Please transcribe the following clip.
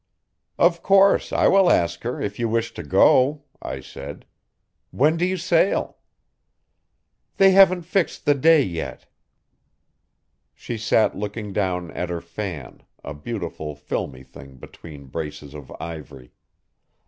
'Of course I will ask her if you wish to go,' I said. 'When do you sail? 'They haven't fixed the day yet. She sat looking down at her fan, a beautiful, filmy thing between braces of ivory.